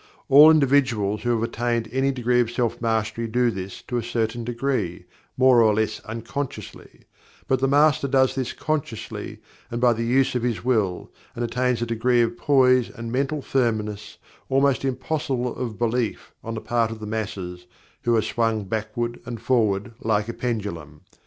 All individuals who have attained any degree of Self Mastery do this to a certain degree, more or less unconsciously, but the Master does this consciously, and by the use of his Will, and attains a degree of Poise and Mental Firmness almost impossible of belief on the part of the masses who are swung backward and forward like a pendulum.